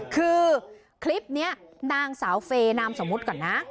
คือคลิปนี้นางสาวเฟย์นามสมมุติก่อนนะ